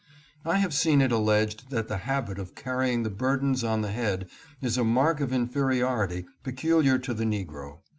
I have seen it alleged that the habit of carrying the burdens on the head is a mark of inferiority peculiar to the negro.